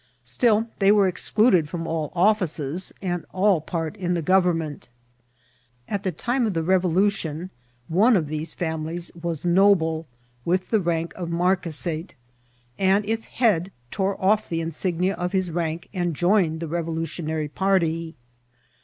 Still they were excluded from all offices and all part in the government. At the time of the revoluticm one of these fiemulies was noble, with the rank of mar* quisate, and its head tcnre oflf the insignia of his rank, and joined the revolutionary party.